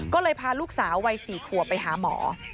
ก็เลยพาลูกสาววัย๔ขวบไปหาหมอ